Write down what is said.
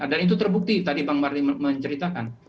dan itu terbukti tadi bang marni menceritakan